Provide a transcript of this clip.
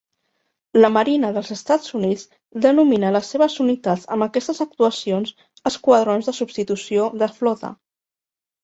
La Marina dels Estats Units denomina les seves unitats amb aquestes actuacions "esquadrons de substitució de flota".